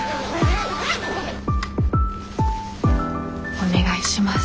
お願いします。